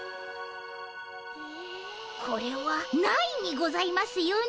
これはないにございますよね？